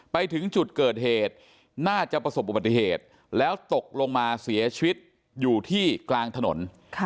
ไปถึงจุดเกิดเหตุน่าจะประสบอุบัติเหตุแล้วตกลงมาเสียชีวิตอยู่ที่กลางถนน